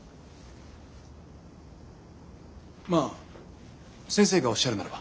まぁ先生がおっしゃるならば。